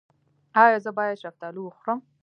ایا زه باید شفتالو وخورم؟